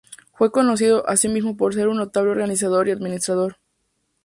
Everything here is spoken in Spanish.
Fue conocido, asimismo, por ser un notable organizador y administrador.